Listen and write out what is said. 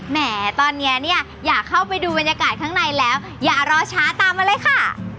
แหมตอนนี้เนี่ยอยากเข้าไปดูบรรยากาศข้างในแล้วอย่ารอช้าตามมาเลยค่ะ